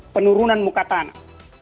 penurunan muka tanah